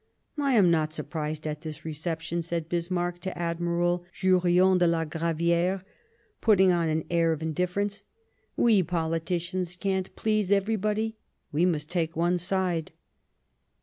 " I am not surprised at this reception," said Bis marck to Admiral Jurien de la Graviere, putting on an air of indifference. " We politicians can't please everybody ; we must take one side."